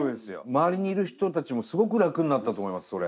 周りにいる人たちもすごく楽になったと思いますそれ。